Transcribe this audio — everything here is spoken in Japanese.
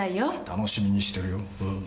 楽しみにしてるようん。